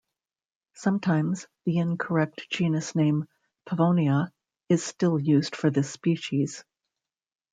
Sometimes, the incorrect genus name "Pavonia" is still used for this species.